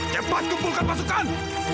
cepat kumpulkan pasukan